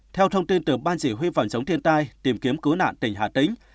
theo thông tin từ ban chỉ huy phòng chống thiên tai tìm kiếm cứu nạn tỉnh hà tĩnh